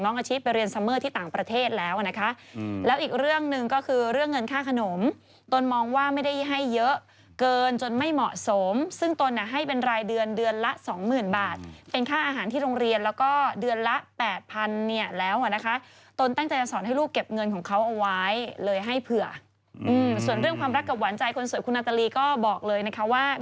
นี่ทำไมเวลาดาราเขามีแฟนทุกคนชอบที่อยากจะแบบว่าให้เห็นจังเลยนะว่า